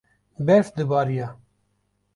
berf dibarîya